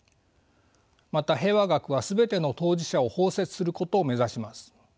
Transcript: また平和学は全ての当事者を包摂することを目指します。